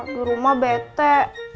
di rumah bete